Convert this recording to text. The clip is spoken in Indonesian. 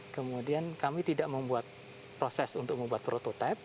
kemudian kami tidak membuat proses untuk membuat prototipe